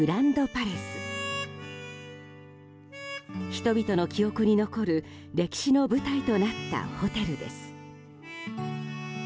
人々の記憶に残る歴史の舞台となったホテルです。